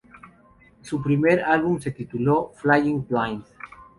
Su primer álbum se tituló ""Flying Blind"".